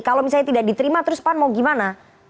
kalau misalnya tidak diterima terus pan mau gimana